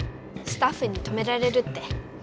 スタッフに止められるって。